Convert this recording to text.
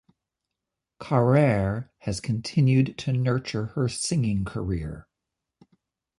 Carrere has continued to nurture her singing career.